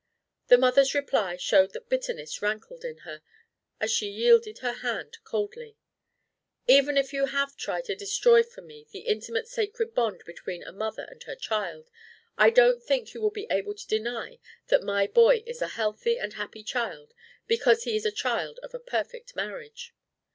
The mother's reply showed that bitterness rankled in her, as she yielded her hand coldly: "Even if you have tried to destroy for me the intimate sacred bond between a mother and her child, I don't think you will be able to deny that my boy is a healthy and happy child because he is a child of a perfect marriage!"